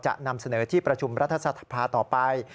จะนำเสนอที่ประชุมรัฐสภาต่อไป